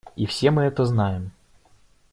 И все мы это знаем.